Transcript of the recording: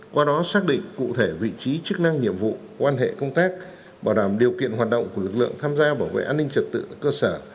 qua đó xác định cụ thể vị trí chức năng nhiệm vụ quan hệ công tác bảo đảm điều kiện hoạt động của lực lượng tham gia bảo vệ an ninh trật tự ở cơ sở